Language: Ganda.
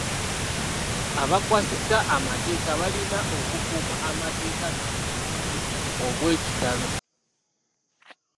Abakwasisa amateeka balina okukuuma amateeka n'obugunjufu obw'ekitalo.